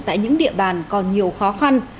tại những địa bàn còn nhiều khó khăn